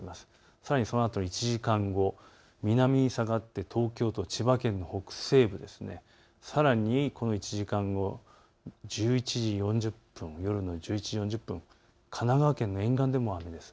さらに１時間後、南に下がって東京都、千葉県の北西部、さらにこの１時間後、１１時４０分、神奈川県の沿岸でもあるんです。